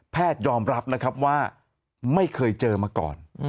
ยอมรับนะครับว่าไม่เคยเจอมาก่อน